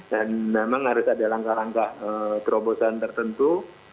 dan memang harus ada langkah langkah kerobosan tertentu